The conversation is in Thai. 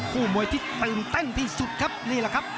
มวยที่ตื่นเต้นที่สุดครับนี่แหละครับ